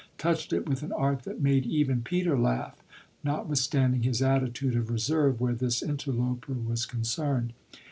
touched it with an art that made even Peter laugh, notwithstanding his attitude of reserve where this interloper was concerned.